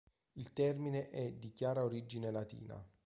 Il termine è di chiara origine latina.